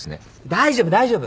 大丈夫大丈夫。